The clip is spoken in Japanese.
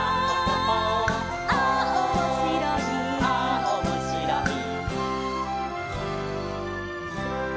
「ああおもしろい」「」